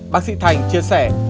bác sĩ thành chia sẻ